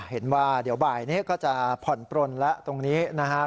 เห็นว่าเดี๋ยวบ่ายนี้ก็จะผ่อนปลนแล้วตรงนี้นะครับ